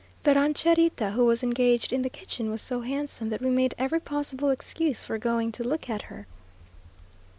The rancherita, who was engaged in the kitchen, was so handsome, that we made every possible excuse for going to look at her.